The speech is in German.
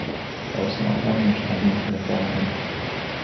Die Außenaufnahmen entstanden in Kalifornien.